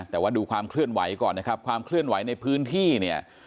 แต่ว่าดูความเคลื่อนไหวก่อนนะครับความเคลื่อนไหวในพื้นที่เนี่ย